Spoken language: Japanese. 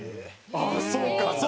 ああそうか。